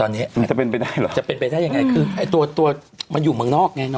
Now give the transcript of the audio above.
มันจะเป็นไปได้หรือยังไงมันอยู่เมืองนอกไง